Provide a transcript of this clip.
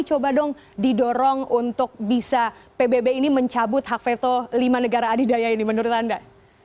coba dong didorong untuk bisa pbb ini mencabut hak veto lima negara adidaya ini menurut anda